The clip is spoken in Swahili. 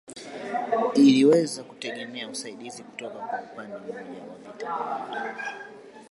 Iliweza kutegemea usaidizi kutoka kwa upande mmoja wa vita baridi